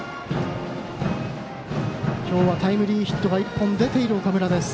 今日はタイムリーヒットが１本出ている岡村です。